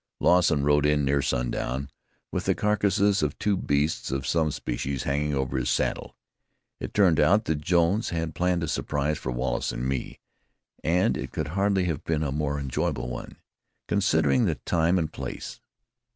Lawson rode in near sundown with the carcasses of two beasts of some species hanging over his saddle. It turned out that Jones had planned a surprise for Wallace and me, and it could hardly have been a more enjoyable one, considering the time and place.